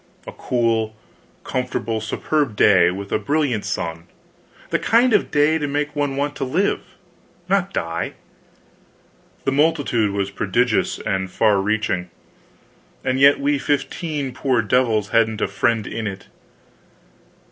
A cool, comfortable, superb day, with a brilliant sun; the kind of day to make one want to live, not die. The multitude was prodigious and far reaching; and yet we fifteen poor devils hadn't a friend in it.